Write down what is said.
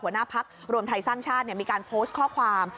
หัวหน้าพักรวมไทยสร้างชาติมีการโพสต์ข้อความ